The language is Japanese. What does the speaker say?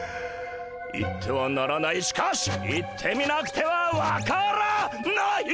行ってはならないしかし行ってみなくては分からない！